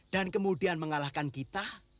dan kemudian mengalahkan kita